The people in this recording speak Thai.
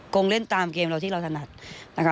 งงเล่นตามเกมเราที่เราถนัดนะคะ